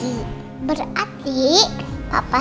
ada apa ya